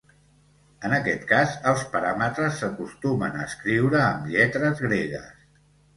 En aquest cas els paràmetres s'acostumen a escriure amb lletres gregues.